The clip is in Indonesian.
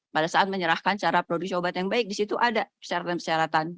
pada saat menyerahkan cara produksi obat yang baik di situ ada persyaratan persyaratan